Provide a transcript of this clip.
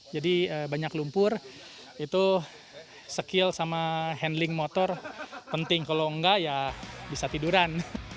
jadi banyak lumpur itu skill sama handling motor penting kalau enggak ya bisa tiduran